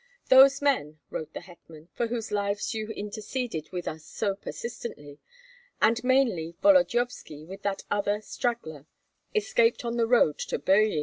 "Those men," wrote the hetman, "for whose lives you interceded with us so persistently, and mainly Volodyovski with that other straggler, escaped on the road to Birji.